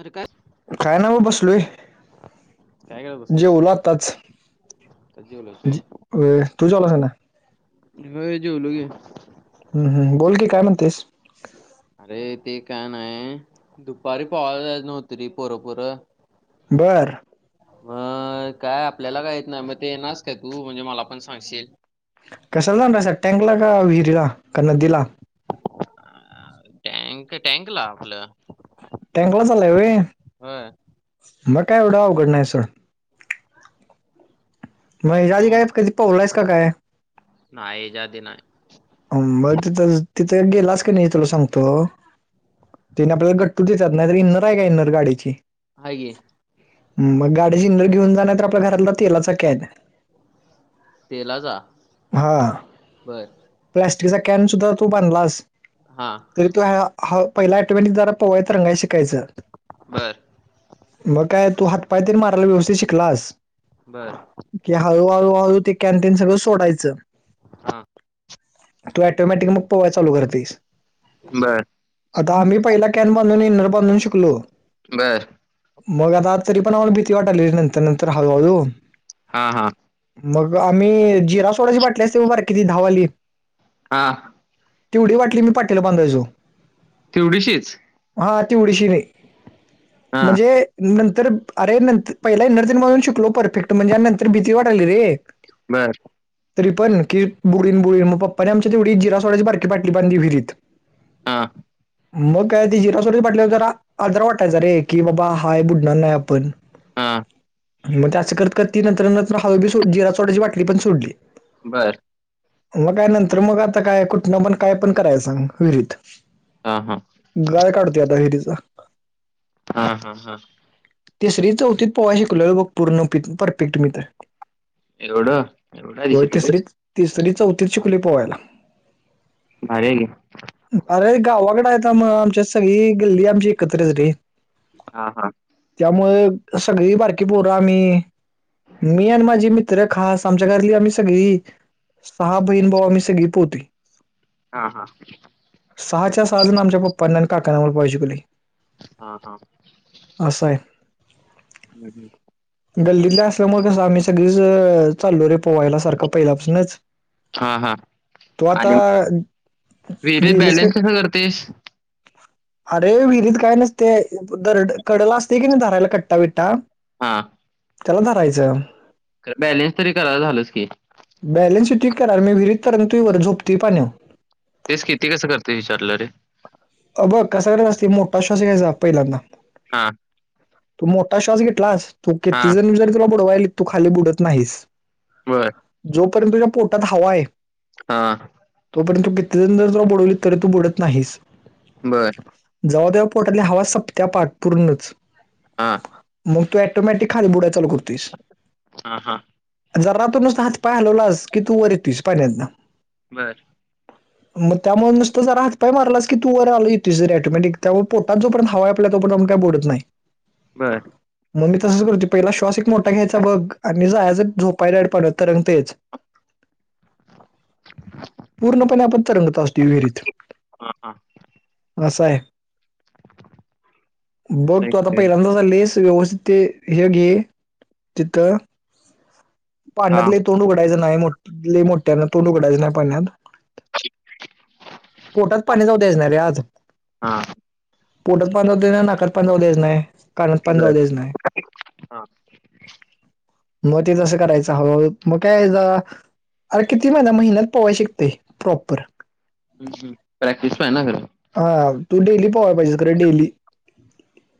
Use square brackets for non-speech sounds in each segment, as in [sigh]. अरे काय? काय नाही बाग बसलोय जेवलो आताच. जेवलास होय. जे- होय, तू जेवलास ना मी होय जेवलो की. हम्म हम बोल की काय म्हणतेस? अरे ते काय नाही, दुपारी पोहाय जायच नव्हत रे पोरपोर. बर. म काय आपल्याला काय येत नाही, मग येणार आहेस का तू म्हणजे मला पण सांगशील. कशाला जाणार स टँकला का विहिरीला का नदीला? अं, टँक टँकला आपलं. टँकला चालाय व्हय, होय मग काय एवढं अवघड नाही सोड. मग हेच्या आधी काय कधी पोहलाईस की काय. नाही हेच्या आधी नाही. मग तिथं तिथं गेलाच का नाही तुला सांगतो. तिने आपल्याला गट्टू देतात नाहीतर इन्रर आहे का? इनर गाडीची. हाय की. मग गाडी इन्नर घेऊन जाणार तर आपल्या घरातला तेलाचा कॅन. तेलाचा बर. प्लास्टिकचा कॅन सुद्धा तू बांधलास. हा. तरी तो ह पहिला अटवंटीज जरा पोहायला तरंगायला शिकायचं. बर मग काय तू हातपाय तरी मारायला व्यवस्थित शिकलास. बर कि हळूहळूहळू ते कॅन तेन सगळं सोडायचं. हम्म. तू ॲटोमॅटिक मग पोहायला चालू करतोस. बर आता आम्ही पहिला. कॅन बांधून इनर बांधून शिकलो. बर. मग आता तरी पण आम्हाला भीती वाटल्या नंतर नंतर हळूहळू. हा हा मग आम्ही जिरा सोडाची बाटली असते बघ बारकी ती दहा वाली हा तेवढी बाटली मी पाटिला बांधायचो तेवढीशीच हा ती तेवढीशी राही हा म्हणजे नंतर अरे पहिला एनर्जल म्हणून शिकलो परफेक्ट म्हणजे नंतर भीती वाटायली रे बर तरी पण की बुडीन बुडीन मग पप्पानी आमच्या तेवढी जिरा सोड्याची बारकी बाटली बांधली विहिरीत हां मग काय ते जिरा सोड्याच्या बाटल्यावर जरा आधार वाटायचा रे की बाबा हाय बुडणार नाही आपण हा मग ते असं करत करत ती नंतर नंतर हळू बी जिरा सोडाची बाटली पण सोडली बर मग काय नंतर मग आता काय कुठनं पण काय पण करायला सांग विहिरीत हा हा गाळ काढतोय आता विहिरीचा हा हा हा तिसरी चौथीत पोहायला शिकलोय बघ पूर्ण पी परफेक्ट मी तर एवढ एवढ्या आधी होय शिकलस तिसरीत तिसरी चौथीत शिकलोय पोहायला भारी आहे की अरे गावाकडे आहेता म आमच्या सगळी गल्ली आमची एकत्रच रे हा हा त्यामुळे सगळी बारकी पोर आम्ही मी आणि माझी मित्र खास आमच्या घरातली आम्ही सगळी सहा बहीण भाऊ आम्ही सगळी पोहोतोय हा हा सहाच्या सहाजण आमच्या पप्पांन आणि काकांन आम्हाला पोहायला शिकवलय हा हा आहे हू हू गल्लीतल असल्यामूळ कसं आम्ही सगळीच चालो रे पोहायला सारखं पहिल्यापासनच हा हा आणि विहीरीत गेलीस बॅलेन्स कस करतोयस [inaudible] अरे विहिरीत काय नसतय दरड कडला असतय कीनी धरायला कट्टा बिट्टा हा त्याला धरायचं बॅलेन्स तरी करायला झालंच की बॅलेन्स येतोय की कराय मी विहिरीत तरंगतोय वर झोपतोय पाण्यात तेच कि ते कसं करतोय विचारलं रे अ बघ कसा करायच असतय मोठा श्वास घ्यायचा पहिल्यांदा हा तू मोठा श्वास घेतलास तू किती हा जण जरी तुला बुडवाईलीत तू खाली बुडत नाहीस बर जोपर्यंत तुझ्या पोटात हवा आहे हा तोंपर्यंत किती जणं जर तुला बुडवलीत तरी तू बुडत नाहीसं बरं. जाऊदे ओ, पोटातील हवा संपत्या पाट पूर्णच. हां. मग तू ऑटोमॅटिक खाली बुडायला चालू करतोयस. हा हा जरा तु नुसतं हात पाय हलवलास की तू वर येतोस. पाण्यातनं. बरं. मग त्यामुळे नुसत जरा हातपाय मारलास की, तू वर येतोस रे ऑटोमॅटिक. त्यामुळे पोटात जोपर्यंत हवाय आपल्या तोपर्यंत काय बुडत नाही. बरं. मगं मी तसंच करतोय पहिला श्वास एक मोठा घ्यायचा बघ. आणि जायाच झोपायड परत तरंगतयेचं. पूर्णपणे आपण तरंगत असतोय विहिरीत. हा हा असाय. बघ काय तु आता केलंय? पहिल्यांदा चालेस व्यवस्थित हे गे, तिथं हा पांण्यातले तोंड उघडायचं नाही. मोठ लय मोठ्यांन, तोंड उघडायचं नाही पाण्यात. पोटात पाणी जाऊ द्यायचं नाही रे आज. हा पोटात पाणी जाऊं द्यायचं नाही. नाकात पाणी जाऊं द्यायचं नाही. कानात पाणी बर जाऊं द्यायचं नाही. हा मगं ते तसं करायचं हळूहळू मगं काय जा, अरे किती महिना, महिन्यात पवायला शिकतंय. प्रॉपर. हम्म हम्म, प्रॅक्टिस पाहिजे ना खरं. हां, तू डेली पोवायला पाहिजे खरं डेली.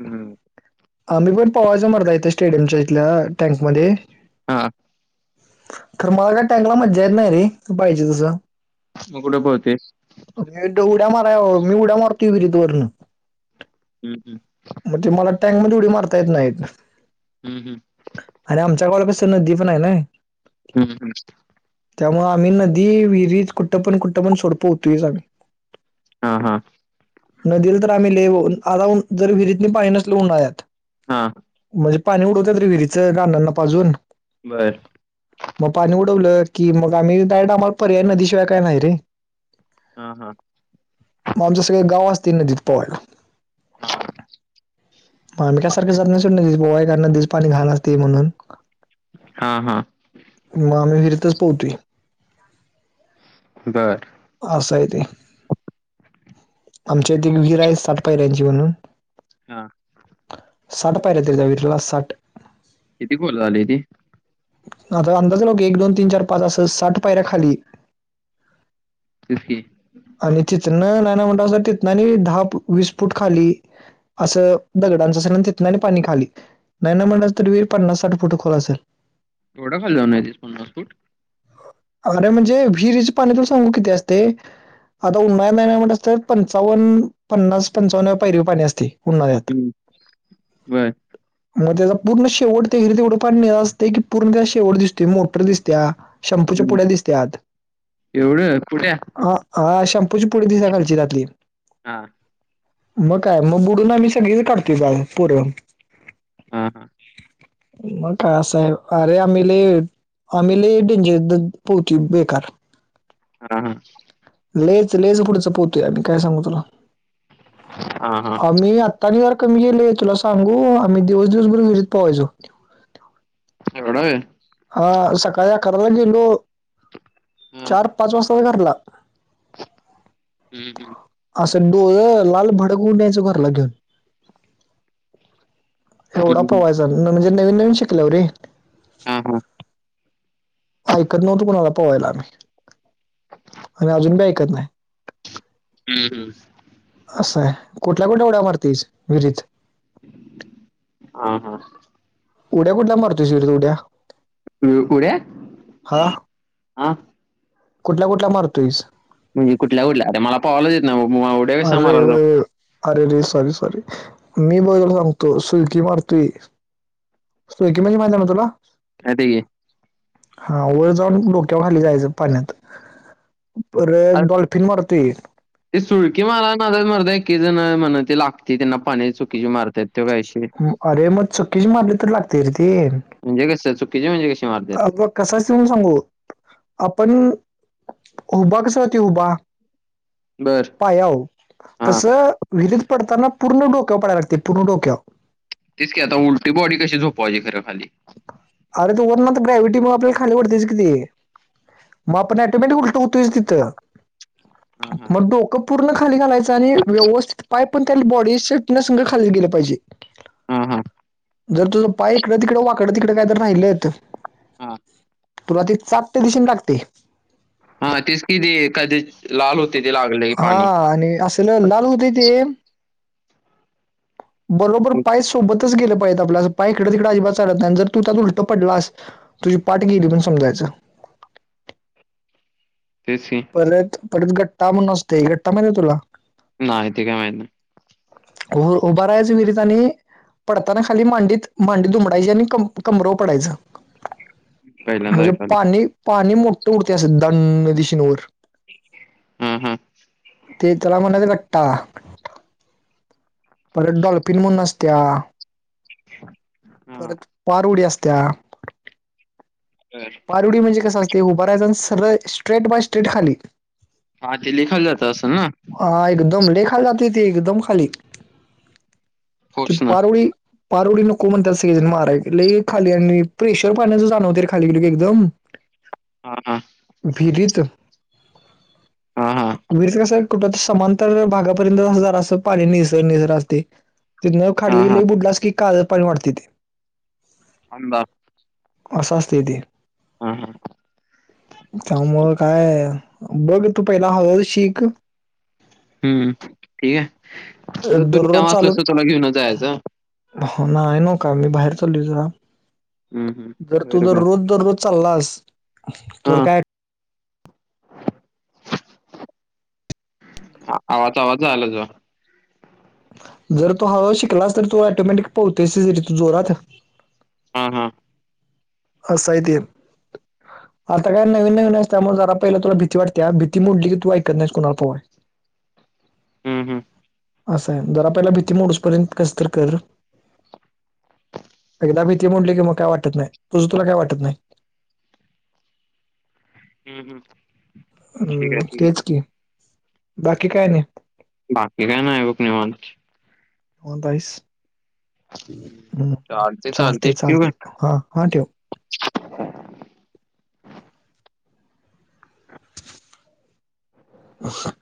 हम्म. आम्ही पण पोवायच म्हणत आहे. ते स्टेडियमच्या इथल्या टँकमध्ये. हां. खरं मला काय टँकला मज्जा येत नाही रे, पाहिजे तसं. मगं कुठं पोहतेस? म्हणजे मी उड्या माराय ओ, मी उड्या मारतोय विहिरीत वरुण. हम्म, हम्म. म ते मला टॅंक मध्ये उडी मारता येतं नाही. हम्म हम्म आणि आमच्या गावाला कसं त नदी पण हाय नाय. हम्म हम्म. त्यामुळे आम्ही नदी विहिरीत. कुठं पण कुठं पण सोड पोहोतोयच आम्हीं. हां, हां. नदीला तर आम्ही लेवून, आगाऊन जर विहिरीतनी पाणी नसलं उन्हाळ्यात. हां. म्हणजे, पाणी उडवतात रे विहिरीचं रानांना पाजून. बरं. म पाणी उडवलं की मगं आम्ही, डारेक्ट आम्हाला पर्याय नदी शिवाय काय नाही रे. ह ह. मगं आमचं सगळं गावं असतंय, नदीत पोहायला. आम्ही काय सारखं जात नाही सोड नदीत पोहाय. कारण नदीच पाणी घाण असतंय म्हणून. हां हां. मगं आम्ही विहिरीतच पोहतोय. बरं. असय ते. आमच्या इथे एक विहीर आहे सात पायऱ्यांची म्हणून. हां. साठ पायऱ्या तेचा वीटला साठ. किती कॉल झाले ती. आता अंदाज लाव की एक दोन तीन चार पाच असं साठ पायऱ्या खाली. ते च की आणि तितन नाय नाय म्हणलासा तितना दहा वीस फूट खाली. असं दगडांचं असेल आणि तिथूनने पाणी खाली. नाही नाही म्हटलास तरी पन्नास साठ फुट खोल असेलं. एवढ्या खाली जाऊन यांचीस पन्नास फूट. अरे म्हणजे, विहिरीचे पाणी तुला सांगू किती असतंय. आता उन्हाळ्यात नाय नाय म्हनलास तर पंचावन्न्स पंचावन्नव पायरी पाणी असते. उन्हाळ्यात. हम्म, बर मग त्याचा पूर्ण शेवट त्यारी तेवढं पाणी असतं की पूर्ण त्या शेवट दिसते मोटर दिसत्या. शम्पूच्या हम्म. पुढ्या दिसत आत. एवढं कुठे हा शॅम्पूची पुढी दिसात्या खालची त्यातली. हा मग काय मग बुडून आम्ही सगळीच काढतो बा पुरं हा हा मग काय असं हाय अरे आम्ही लय डेंजर - पोती बेकार [unintelligible] हा हा लेच लेच पुढच पवतोय आम्ही काय सांगू तुला हा हा आम्ही आम्ही - आणि जरा कमी केलं तुला सांगू आम्ही दिवस दिवसभर विहिरीत पाहायचो. एवढं. हा सकाळी अकराला गेलो हा चार पाच वाजता. पळ घरला. हम् हम् असं डोळ लाल भडक होऊन यायचं घरला घेऊन- एवढा हम्म, हम्म. पोवायचा म्हणजे नवीन नवीन शिकल्यावर रे! हा हा ऐकत नव्हतो कोणाला पवायला आम्ही आणि अजून बी ऐकत नाही. हम् हम असं आहे कुठल्या कुठल्या ऊढ्या मारतीस विहरीत? हा हा उड्या कुठल्या मारतोय स विहिरीत उड्या? उढ्या हा हा कुठल्या कुठल्या मारतोईस? म्हणजे कुठल्या कुठल्या तर मला पोहायला येत नाही भाव- अरे होय अरेरे सॉरी सॉरी मी बघ, तुला सांगतो सुळकी मारतोय सुळकी म्हणजे माहिती आहे ना तुला. माहिती की हा वर जाऊन डोक्यावर खाली जायचं पाण्यात पर अरे डॉल्फिन मारतोय, ते सुळकी मारनाच्या नादात मर्दा एकी जण म्हणं लागते त्यांना पाणीची चुकीची मारतात त काहीशी- अरे मग चुक्कीच मारली तर लागते रे ते. म्हणजे कसं चुकीचे म्हणजे कशी मारतात कसं असतं सांगू आपण- उभ कस होती उभा बरं पायावर तसं विहिरीत पडताना पूर्ण डोक्यावर पडायला लागते पूर्ण डोक्यावर. तेच की आता उलटी बॉडी कशी झोपव्हायची खरं खाली. अरे ते वरण तर ग्राविटी मुळे मग आपल्याला खाली ओढतेच की ते. मग आपण ऑटोमॅटिक उलटं होतयच तिथं हा हा मग डोक पूर्ण खाली घालायच आणि व्यवस्थित पाय पण त्याली बॉडी सेट नस खाली गेले पाहिजे. हा हा जर तुझं पाय इकडं तिकडे वा इकडं तिकड काय तर राहिलं तर हां. तुला ती चाप दिशेने लागते. हा, तेच कि ते एकद्यच लाल हो तेथे लागलं. हा, आणि असं त्याला लाल होतेय ते बरोबर पास सोबतच गेलं पाहिजे आपल्या पाय इकडं तिकड अजिबात चालत नाय आणि जर तू त्यात उलटं पडलास तुझी पाठ गेली म्हणून समजायच. तेच की परत परत गट्टा म्हणून असते गट्टा माहिती का तुला. नाय ते काय माहीत नाय. उ उभारायच विहिरीत आणि पडताना खाली मांडीत मांडी दुमडायची आणि कंबरवर पडायचं. पहिल्यांदा म्हणजे ऐकायलो. पाणी पाणी मोठ उडते असं दणं दिशेने वर. हम, हम, ते त्याला म्हणायचं रटा [inaudible] परत डॉल्फिन म्हणून असतया. हां. परत पार उडी असतया. बर पारु उडी म्हणजे कसं असते उभ राहायचं अन् सरळ स्ट्रेट बाय स्ट्रेट खाली. हा ते लिखाल जात असल ना हा एकदम ले खाली जात ती एकदम खाली. ती फोर्सनं? पारोळी पार उडी नको म्हणतात सगळे जण माराय ती ले खाली आणि प्रेशर पाण्याचे जाणवत रे खाली गेल की एकदम. हा, हा विहिरीच हां, हां. विहिरीच कस कुठ समांतर भागापर्यंत असणार असं पाणी निसर निसर असते. तिथनं हां, हां. खाडलीलं बुडलास की काळ पाणी वाढतय ते. आंबा अस असतय ते हां, हां. त्यामुळ काय बघ तू पहिला हळूहळू शीख हम्म ठीक आहे जर तुला दररोज काम असल चालू तर तुला घेऊन जायचं. हो ना का मी बाहेर चाललो जरा. हं, हं. जर तू बरोबर. दररोज दररोज चाललास तर हां. काय ह, आवाज आवाज, आला त जर तू हळूहळू शिकलास तर तू ऑटोमॅटिक पळतोस रे तिथं जोरात. हा, हा अस हाय ते आता काय नवीन नवीन असत, त्यामुळे जरा पहिला तुला भीती वाटत्या भीती मोडली की तू ऐकत नाहीस कुणार पोहाय. हं हं अस हाय जरा पहिला भीती मोडूसपर्यंत कस तर कर. एकदा भीती मोडली की मग काय वाटत नाय, तुझं तुला काय वाटत नाही. हं हं. ठीक आहे, हम्म ठीक आहे. तेच, की बाकी काय नाही. बाकी काय नाय बघ निवांत. होंताईस, हं चालतंय, चालतंय. चालतय ठेऊ का? चालतय हा, हा ठेव. [inaudible]